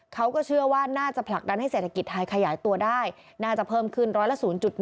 เขาก็เชื่อว่าน่าจะผลักดันให้เศรษฐกิจไทยขยายตัวได้น่าจะเพิ่มขึ้นร้อยละ๐๑